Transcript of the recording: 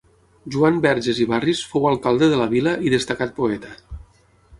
Joan Verges i Barris fou alcalde de la vila i destacat poeta.